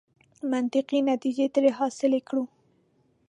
منطقي نتیجې ترې حاصلې کړو.